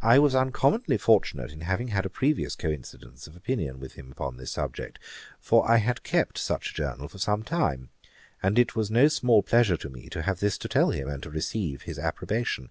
I was uncommonly fortunate in having had a previous coincidence of opinion with him upon this subject, for I had kept such a journal for some time; and it was no small pleasure to me to have this to tell him, and to receive his approbation.